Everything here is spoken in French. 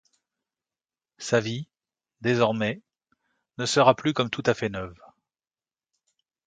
Sa vie, désormais, ne sera plus comme tout à fait neuve.